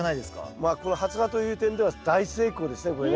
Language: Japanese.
まあこの発芽という点では大成功ですねこれね。